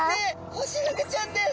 ホシフグちゃんです！